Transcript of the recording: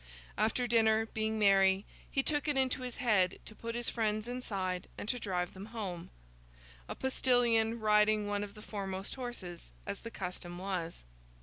After dinner, being merry, he took it into his head to put his friends inside and to drive them home: a postillion riding one of the foremost horses, as the custom was.